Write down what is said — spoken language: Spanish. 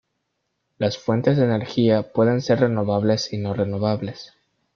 Las fuentes de energía pueden ser renovables y no renovables.